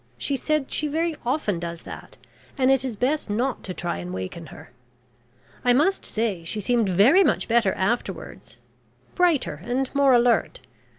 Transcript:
She said she very often does that, and it is best not to try and waken her. I must say she seemed much better afterwards. Brighter and more alert.